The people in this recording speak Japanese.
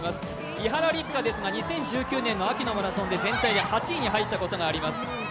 伊原六花ですが２０１９年秋のマラソンで全体で８位に入ったことがあります